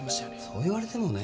そう言われてもね。